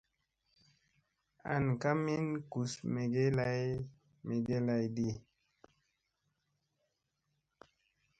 An ka min gus mege lay megeblayɗi.